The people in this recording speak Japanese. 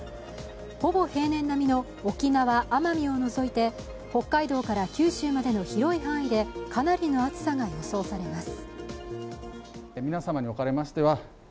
ほぼ平年並みの沖縄・奄美を除いて北海道から九州までの広い範囲でかなりの暑さが予想されます。